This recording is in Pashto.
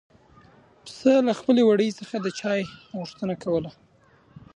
پسه له خپل وړي څخه د چای غوښتنه کوله.